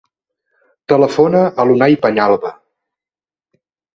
Telefona a l'Unai Peñalba.